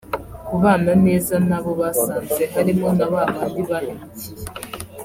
kubana neza n’abo basanze harimo na babandi bahemukiye